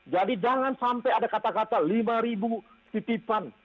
jadi jangan sampai ada kata kata lima titipan